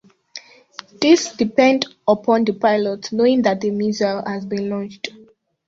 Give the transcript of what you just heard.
These depend upon the pilot knowing that a missile has been launched.